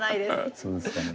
そうですかね。